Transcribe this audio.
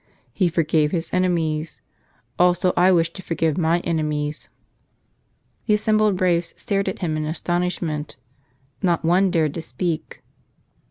He forgave His enemies; also I wish to forgive my enemies." The assembled braves stared at him in astonishment. Not one dared to speak.